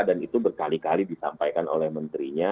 dan itu berkali kali disampaikan oleh menterinya